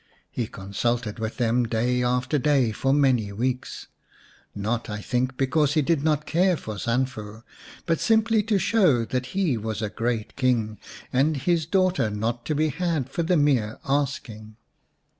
He consulted with them day after day for many weeks not, I think, because he did not care for Sanfu, but simply to show that he was a great King, and his daughter not to be had for the mere asking.